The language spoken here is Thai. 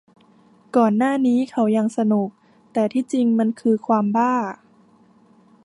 ก่อนหน้านี้เขายังสนุก แต่ที่จริงมันคือความบ้า